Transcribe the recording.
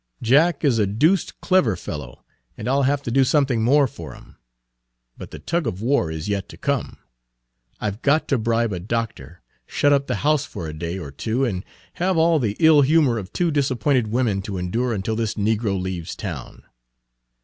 "Jack is a deuced clever fellow, and I 'll have to do something more for him. But the tug of war is yet to come. I 've got to bribe a doctor, shut up the house for a day or two, and have all the ill humor of two disappointed women to endure until this negro leaves town.